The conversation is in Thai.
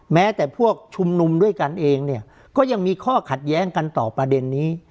แม้แต่พวกชุมนุมด้วยกันเองเนี่ยก็ยังมีข้อขัดแย้งกันต่อประเด็นนี้